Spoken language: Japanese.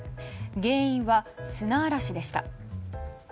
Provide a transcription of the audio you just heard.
原因は砂嵐でした。